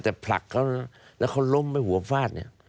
แต่ผลักเขาแล้วเขาล้มไปหัวฟาดเนี่ย